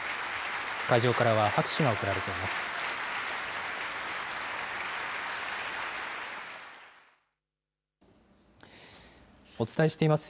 会場からは拍手が送られています。